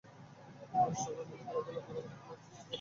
সবাই মিলে খেলাধুলা, ঘোরাঘুরি কিংবা ফিস্ট করার মধ্যে অনাবিল আনন্দ আছে।